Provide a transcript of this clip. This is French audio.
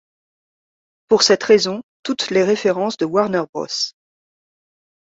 Pour cette raison, toutes les références de Warner Bros.